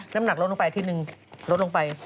น้ำหนักลดลงไป๑ที๑ลดลงไป